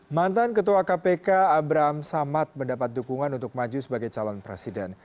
mantan ketua kpk abraham samad mendapat dukungan untuk maju sebagai calon presiden